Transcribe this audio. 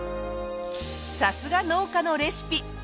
さすが農家のレシピ！